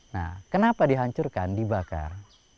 nah kenapa dihancurkan dibakar